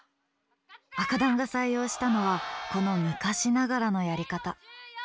紅団が採用したのはこの昔ながらのやり方。